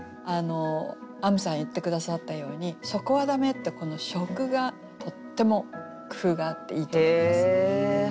あむさん言って下さったように「そこはだめ」ってこの初句がとっても工夫があっていいと思います。